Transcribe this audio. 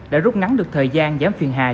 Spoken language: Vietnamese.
đã rút ngắn được thời gian giảm phiền hài